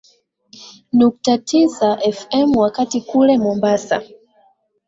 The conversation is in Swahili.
nukta tisa fm wakati kule mombasa